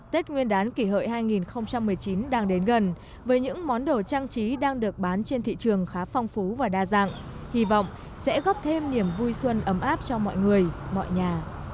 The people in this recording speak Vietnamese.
tết nguyên đán kỷ hợi hai nghìn một mươi chín đang đến gần với những món đồ trang trí đang được bán trên thị trường khá phong phú và đa dạng hy vọng sẽ góp thêm niềm vui xuân ấm áp cho mọi người mọi nhà